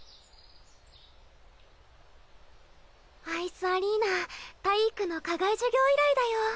アイスアリーナ体育の課外授業以来だよ。